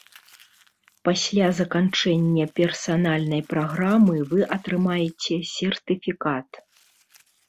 Пасля заканчэння персанальнай праграмы вы атрымаеце сертыфікат.